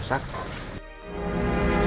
masyarakat baru jawab serta maling siap